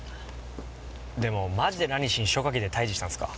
でもマジでラニシン消火器で退治したんすか？